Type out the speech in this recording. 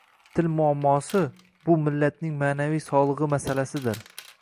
Til muammosi — bu millatning ma’naviy sog‘lig‘i masalasidir